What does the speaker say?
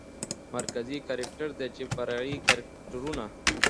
مرکزي کرکتر دى چې فرعي کرکترونه